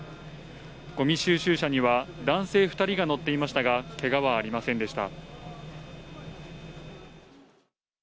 ゴミ収集車には男性２人が乗っていましたが、けがはありませんでした。